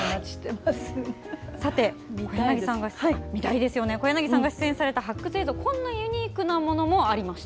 さて、小柳さんが出演された発掘映像こんなユニークなものもありました。